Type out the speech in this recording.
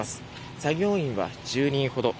作業員は１０人ほど。